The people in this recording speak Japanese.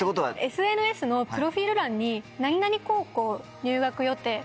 ＳＮＳのプロフィル欄に何々高校入学予定